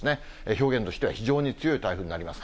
表現としては非常に強い台風になります。